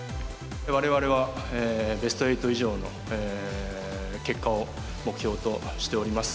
われわれはベスト８以上の結果を目標としております。